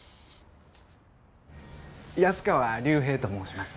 安川龍平と申します。